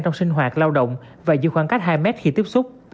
trong sinh hoạt lao động và giữ khoảng cách hai mét khi tiếp xúc